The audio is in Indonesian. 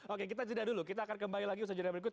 oke kita jeda dulu kita akan kembali lagi usaha jadwal berikut